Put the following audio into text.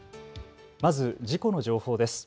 まず事故の情報です。